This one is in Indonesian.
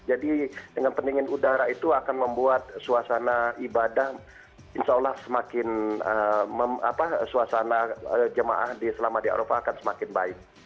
jadi dengan pendingin udara itu akan membuat suasana ibadah insya allah semakin apa suasana jemaah selama di arova akan semakin baik